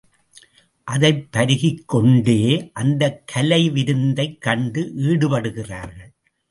அதைப் பருகிக்கொண்டே அந்தக் கலை விருந்தைக் கண்டு ஈடுபடுகிறார்கள்.